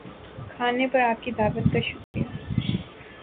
کھانے پر آپ کی دعوت کا شکریہ